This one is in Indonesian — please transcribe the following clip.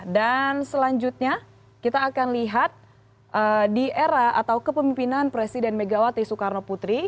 dan selanjutnya kita akan lihat di era atau kepemimpinan presiden megawati soekarnoputri